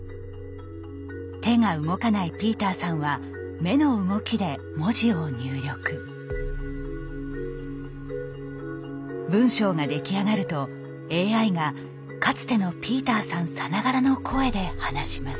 手が動かないピーターさんは文章が出来上がるとＡＩがかつてのピーターさんさながらの声で話します。